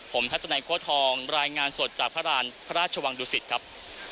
ผมทัศนัยโฆษธองรายงานสดจากพระราชวังดุสิตครับ